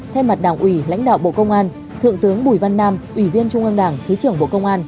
thay mặt đảng ủy lãnh đạo bộ công an thượng tướng bùi văn nam ủy viên trung ương đảng thứ trưởng bộ công an